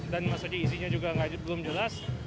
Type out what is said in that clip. maksudnya isinya juga belum jelas